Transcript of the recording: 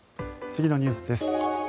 次のニュースです。